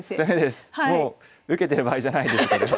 もう受けてる場合じゃないですこれは。